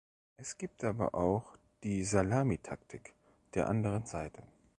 Es gibt aber auch die Salamitaktik der anderen Seite.